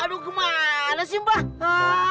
aduh kemana sih mbak